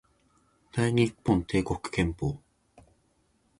大日本帝国憲法